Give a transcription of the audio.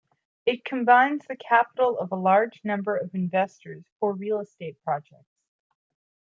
It combines the capital of a large number of investors for real estate projects.